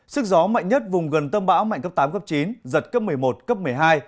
sức gió mạnh nhất vùng gần tâm bão mạnh cấp tám cấp chín giật cấp một mươi một cấp một mươi hai